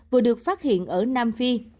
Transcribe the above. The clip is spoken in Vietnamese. vừa được phát hiện ở nam phi